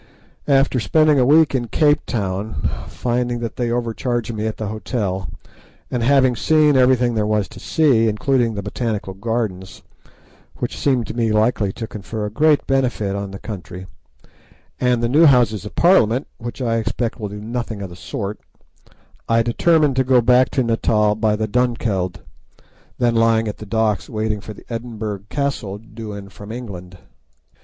After spending a week in Cape Town, finding that they overcharged me at the hotel, and having seen everything there was to see, including the botanical gardens, which seem to me likely to confer a great benefit on the country, and the new Houses of Parliament, which I expect will do nothing of the sort, I determined to go back to Natal by the Dunkeld, then lying at the docks waiting for the Edinburgh Castle due in from England.